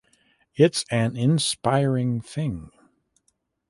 It’s an inspiring thing!